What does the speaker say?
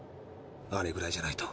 あれぐらいじゃないと。